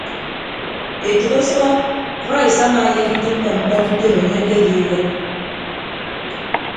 Etәk ọsʌhọ krais amaayem itịmme ñkpọñ utom enye akediihe.